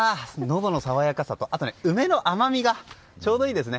どの爽やかさと梅の甘みがちょうどいいですね。